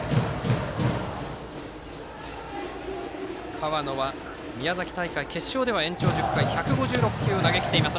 河野は宮崎大会決勝では延長１０回１５６球を投げきりました。